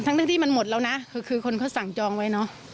ทั้งตั้งที่มันหมดแล้วนะคือก็คือคนเขาสั่งจองไว้